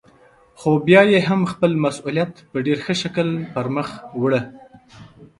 خو بيا يې هم خپل مسئوليت په ډېر ښه شکل پرمخ وړه.